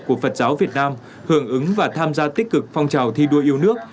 của phật giáo việt nam hưởng ứng và tham gia tích cực phong trào thi đua yêu nước